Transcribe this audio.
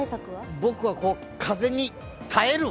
僕は風に耐える！